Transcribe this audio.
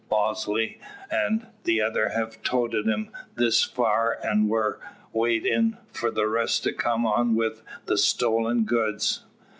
Bosley an' the other hev toated 'em this far, an' war wait in for the rest to come on wi' the stolen goods.